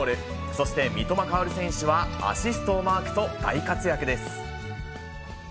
そして三笘薫選手はアシストをマークと、大活躍です。